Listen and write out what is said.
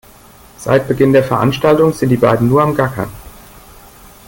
Seit Beginn der Veranstaltung sind die beiden nur am Gackern.